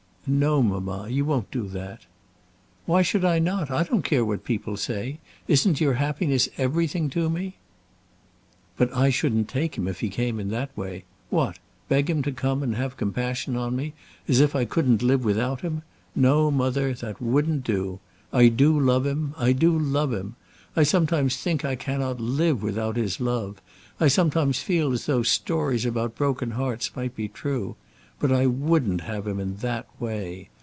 "No, mamma, you won't do that." "Why should I not? I don't care what people say. Isn't your happiness everything to me?" "But I shouldn't take him if he came in that way. What! beg him to come and have compassion on me, as if I couldn't live without him! No, mother; that wouldn't do. I do love him. I do love him. I sometimes think I cannot live without his love. I sometimes feel as though stories about broken hearts might be true. But I wouldn't have him in that way.